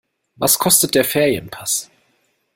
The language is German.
Was kostet der Ferienpass?